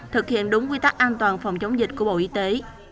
thực hiện đúng quy tắc an toàn phòng chống dịch của bộ y tế